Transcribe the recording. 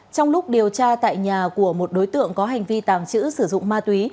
trong lúc điều tra tại nhà của một đối tượng có hành vi tàng trữ sử dụng ma túy